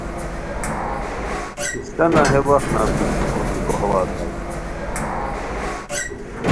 استانہ بے وخت نرکوکو کروپھیکو ہواز ہائے